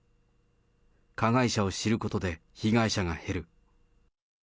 加害者を知ることで被害者が減る。